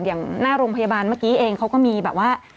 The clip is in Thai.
อย่างหน้าโรงพยาบาลเมื่อกี้เองเขาก็มีแบบว่า